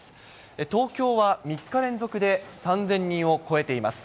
東京は３日連続で３０００人を超えています。